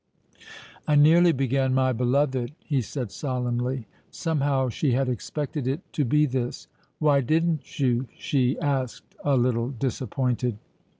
"I nearly began 'My beloved,'" he said solemnly. Somehow she had expected it to be this. "Why didn't you?" she asked, a little disappointed.